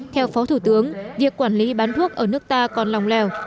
theo phó thủ tướng việc quản lý bán thuốc ở nước ta còn lòng lèo